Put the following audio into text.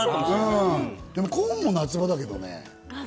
でもコーンも夏場だけどね。